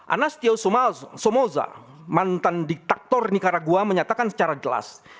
anastyo somoza mantan diktator nicaragua menyatakan secara jelas